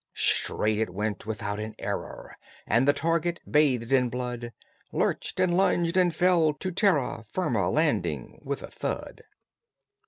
Straight it went, without an error, And the target, bathed in blood, Lurched, and lunged, and fell to terra Firma, landing with a thud.